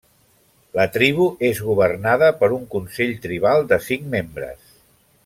La tribu és governada per un consell tribal de cinc membres.